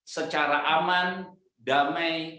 secara aman damai